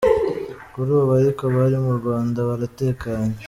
Kuri ubu ariko bari mu Rwanda baratekanye.